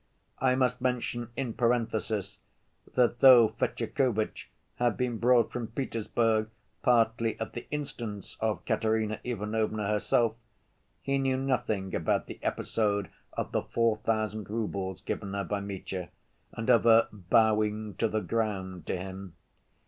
I must mention in parenthesis that, though Fetyukovitch had been brought from Petersburg partly at the instance of Katerina Ivanovna herself, he knew nothing about the episode of the four thousand roubles given her by Mitya, and of her "bowing to the ground to him."